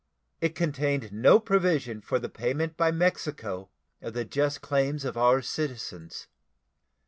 It contained no provision for the payment by Mexico of the just claims of our citizens.